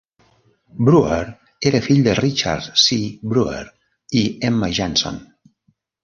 Brewer era fill de Richard C. Brewer i Emma Hanson.